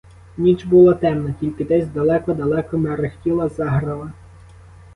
Ніч була темна, тільки десь далеко-далеко мерехтіла заграва.